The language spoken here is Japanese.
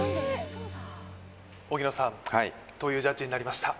荻野さんというジャッジになりました